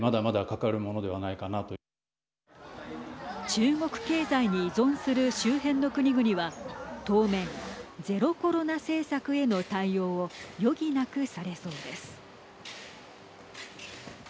中国経済に依存する周辺の国々は当面ゼロコロナ政策への対応を余儀なくされそうです。